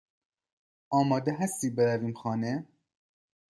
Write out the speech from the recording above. آماده هستی برویم خانه؟